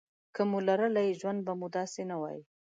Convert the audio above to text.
که مو لرلای ژوند به مو داسې نه وای.